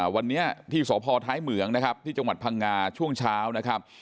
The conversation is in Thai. วันนี้ที่สพท้ายเหมืองที่จังหวัดพังงาช่วงเช้า